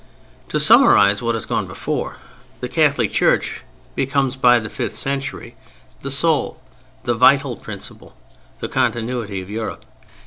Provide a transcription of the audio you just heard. To summarize what has gone before: the Catholic Church becomes by the fifth century the soul, the vital principle, the continuity of Europe.